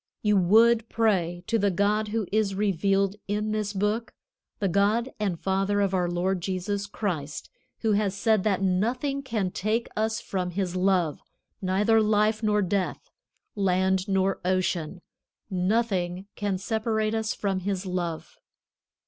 You would pray to the God who is revealed in this Book, the God and Father of our Lord Jesus Christ, who has said that nothing can take us from His love, neither life nor death, land nor ocean, nothing can separate us from His love.